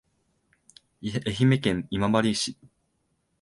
愛媛県今治市